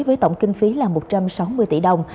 với tổng kinh phí là một trăm sáu mươi tỷ đồng